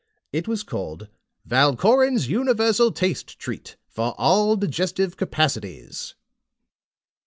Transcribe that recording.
It was called VALKORIN'S UNIVERSAL TASTE TREAT, FOR ALL DIGESTIVE CAPACITIES.